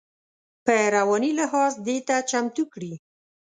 په رواني لحاظ دې ته چمتو کړي.